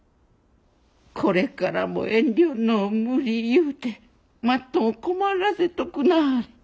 これからも遠慮のう無理言うてマットンを困らせとくなはれ。